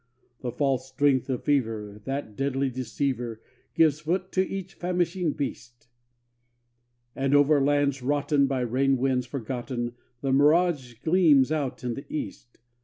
The false strength of fever, that deadly deceiver, Gives foot to each famishing beast; And over lands rotten, by rain winds forgotten, The mirage gleams out in the east.